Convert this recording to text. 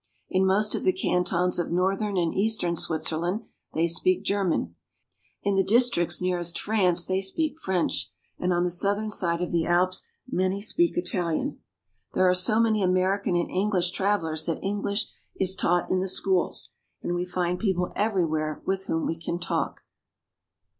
In most of the cantons of northern and eastern Switzer land they speak German, in the districts nearest France they speak French, and on the southern side of the Alps many speak Italian. There are so many American and English travelers that English is taught in the schools; and we find people everywhere with whom we can talk.